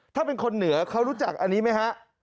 ถ้าเป็นคนเหนือเขารู้จักอันนี้ไหมฮะ